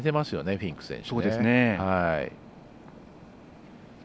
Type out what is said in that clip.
フィンク選手。